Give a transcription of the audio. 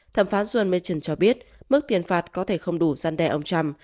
thẩm phán juergen machen cho biết mức tiền phạt có thể không đủ săn đe ông trump